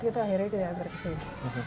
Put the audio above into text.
kita akhirnya kita antar ke sini